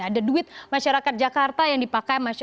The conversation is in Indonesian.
ada duit masyarakat jakarta yang dipakai